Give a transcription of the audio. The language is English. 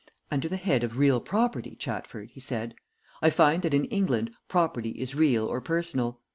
"Now, under the head of real property, Chatford," he said, "I find that in England property is real or personal.